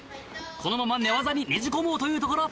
このまま寝技にねじ込もうというところ。